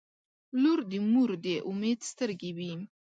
• لور د مور د امید سترګې وي.